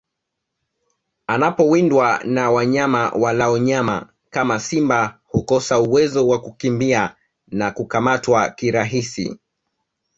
Anapowindwa na wanyama walao nyama kama simba hukosa uwezo wa kukimbia na hukamatwa kirahisi